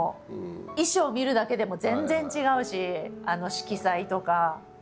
衣装見るだけでも全然違うし色彩とか。